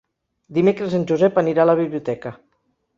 Dimecres en Josep anirà a la biblioteca.